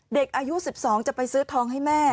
เด็กอายุ๑๒จะไปซื้อทองให้แม่